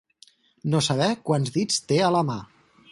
No saber quants dits té a la mà.